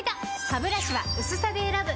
ハブラシは薄さで選ぶ！